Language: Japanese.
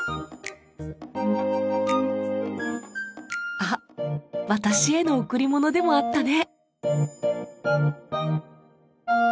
あっ私への贈り物でもあったね。